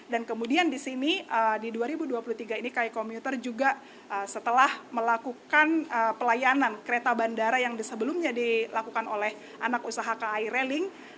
dan kemudian di sini di dua ribu dua puluh tiga ini kai komuter juga setelah melakukan pelayanan kereta bandara yang sebelumnya dilakukan oleh anak usaha kai railing